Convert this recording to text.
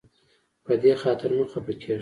په دې خاطر مه خفه کیږه.